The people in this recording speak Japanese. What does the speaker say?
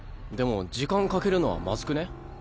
でも時間かけるのはまずくねぇ？